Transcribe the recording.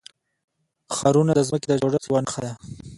ښارونه د ځمکې د جوړښت یوه نښه ده.